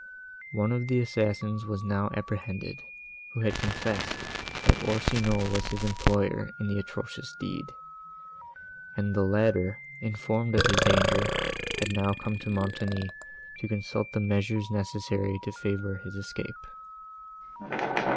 One of the assassins was now apprehended, who had confessed, that Orsino was his employer in the atrocious deed; and the latter, informed of his danger, had now come to Montoni to consult on the measures necessary to favour his escape.